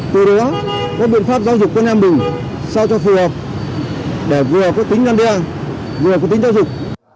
từ đó các biện pháp giáo dục quân an bình sao cho phù hợp để vừa có tính gắn đe vừa có tính giáo dục